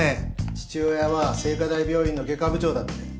父親は聖花大病院の外科部長だって。